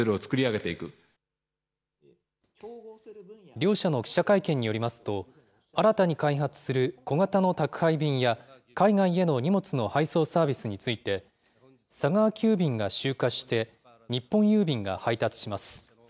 両社の記者会見によりますと、新たに開発する小型の宅配便や、海外への荷物の配送サービスについて、佐川急便が集荷して、日本郵便が配達します。